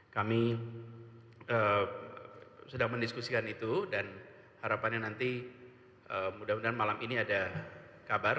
kami sudah mendiskusikan itu dan harapannya nanti mudah mudahan malam ini ada kabar